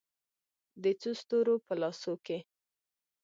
د څو ستورو په لاسو کې